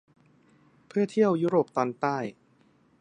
เพื่อเที่ยวยุโรปตอนใต้